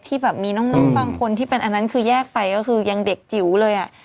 แบบมีน้องบางคนที่เป็นอันนั้นคือแยกไปก็คือยังเด็กจิ๋วเลยอ่ะ